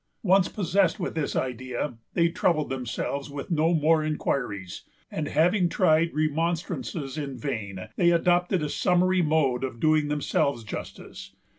Once possessed with this idea, they troubled themselves with no more inquiries; and, having tried remonstrances in vain, they adopted a summary mode of doing themselves justice.